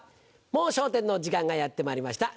『もう笑点』の時間がやってまいりました。